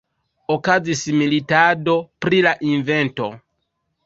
Okazis militado pri la invento.